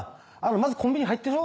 まずコンビニ入ってしょ。